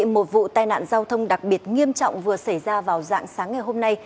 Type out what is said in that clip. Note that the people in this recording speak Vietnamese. một vụ tai nạn giao thông đặc biệt nghiêm trọng vừa xảy ra vào dạng sáng ngày hôm nay